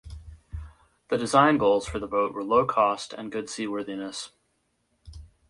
The design goals for the boat were low cost and good seaworthiness.